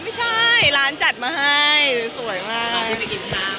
ไม่ใช่ร้านจัดมาให้สวยมาก